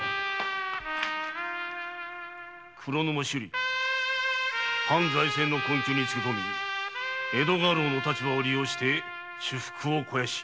黒沼修理藩財政の困窮につけこみ江戸家老の立場を利用して私復を肥やし